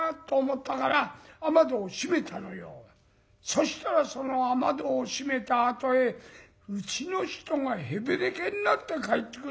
そしたらその雨戸を閉めたあとへうちの人がへべれけになって帰ってくるじゃない。